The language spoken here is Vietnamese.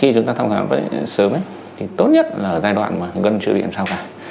khi chúng ta thăm khám với sớm ấy thì tốt nhất là giai đoạn mà gân chữa điện sau cả